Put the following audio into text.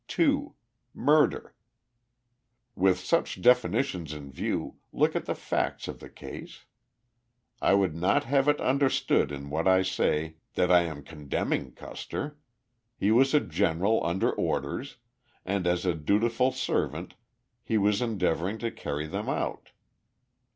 2. Murder." With such definitions in view, look at the facts of the case. I would not have it understood in what I say that I am condemning Custer. He was a general under orders, and as a dutiful servant he was endeavoring to carry them out.